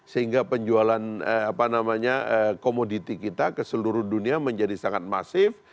sehingga penjualan komoditi kita ke seluruh dunia menjadi sangat masif